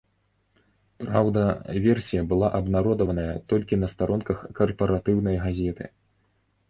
Праўда, версія была абнародаваная толькі на старонках карпаратыўнай газеты.